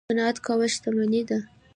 قناعت کول شتمني ده